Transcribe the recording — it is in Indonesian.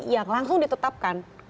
yang langsung ditetapkan